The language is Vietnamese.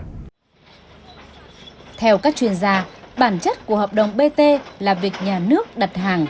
theo các chuyên gia bản chất của hợp đồng bt là việc nhà nước đặt hàng